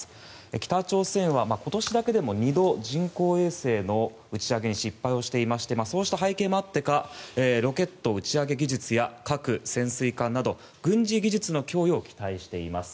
北朝鮮は今年だけでも２度人工衛星の打ち上げに失敗をしていましてそうした背景もあってかロケット打ち上げ技術や核・潜水艦など軍事技術の供与を期待しています。